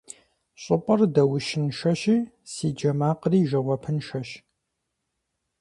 ЩӀыпӀэр даущыншэщи, си джэ макъри жэуапыншэщ.